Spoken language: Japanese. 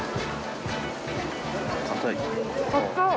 硬い？